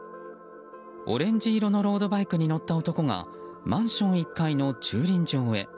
オレンジ色のロードバイクに乗った男がマンション１階の駐輪場へ。